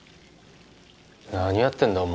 何やってんだお前